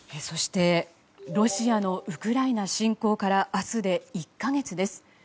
そして、ロシアのウクライナ侵攻から明日で１か月です。